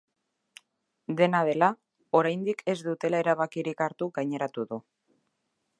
Dena dela, oraindik ez dutela erabakirik hartu gaineratu du.